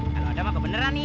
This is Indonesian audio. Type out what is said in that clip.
kalau ada mau kebeneran